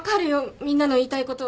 みんなの言いたいことは。